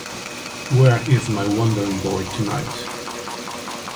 Where Is My Wandering Boy Tonight?